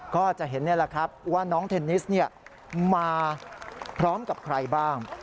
ก็จะเห็นนี่แหละครับว่าน้องเทนนิสมาพร้อมกับใครบ้าง